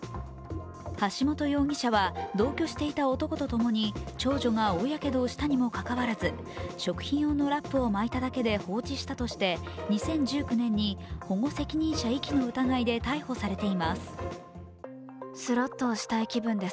橋本容疑者は同居していた男と共に長女が大やけどをしたにもかかわらず食品用のラップを巻いて放置したとして、２０１９年に保護責任者遺棄の疑いで逮捕されています。